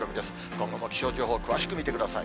今後も気象情報、詳しく見てください。